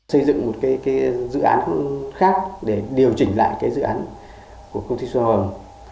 xây dựng một dự án khác để điều chỉnh lại dự án của công ty xô hồng